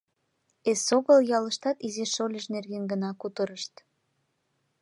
Эсогыл ялыштат изи шольыж нерген гына кутырышт.